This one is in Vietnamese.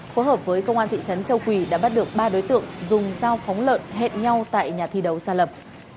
phối hợp với công an thị trấn châu quỳ đã bắt được ba đối tượng dùng dao phóng lợn hẹn nhau tại nhà thi đấu xa lập